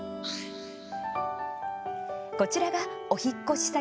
こちらが、お引っ越し先